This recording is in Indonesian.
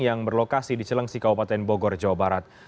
yang berlokasi di cilengsi kabupaten bogor jawa barat